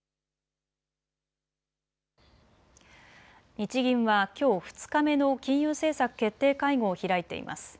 日銀はきょう２日目の金融政策決定会合を開いています。